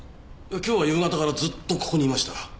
今日は夕方からずっとここにいました。